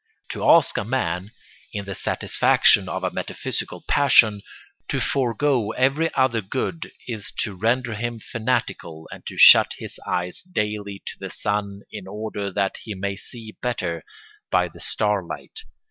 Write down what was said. To ask a man, in the satisfaction of a metaphysical passion, to forego every other good is to render him fanatical and to shut his eyes daily to the sun in order that he may see better by the star light.